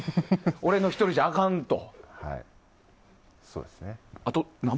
俺１人じゃあかんと。